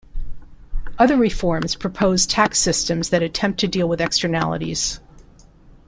Other reforms propose tax systems that attempt to deal with externalities.